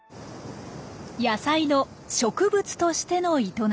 野菜の植物としての営み。